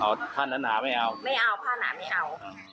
บางตัวแบบนี้อ่าผ้าหนาไม่เอาไม่เอาผ้าหนาไม่เอา